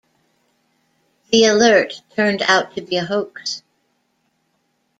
The alert turned out to be a hoax.